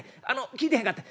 聞いてへんかってん。